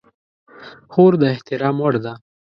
خور د احترام وړ ده.